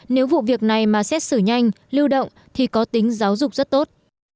nếu vụ việc này mà xét xử nhanh lưu động thì có tính giáo dục rất tốt